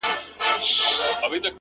زه خوارکی يم!! لکه ټپه انتظار!!